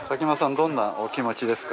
どんなお気持ちですか？